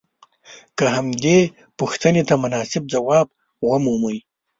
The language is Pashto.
که همدې پوښتنې ته مناسب ځواب ومومئ.